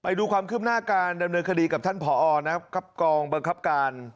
ดูความคืบหน้าการดำเนินคดีกับท่านผอนะครับกองบังคับการ